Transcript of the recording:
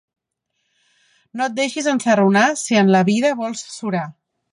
No et deixis ensarronar si en la vida vols surar.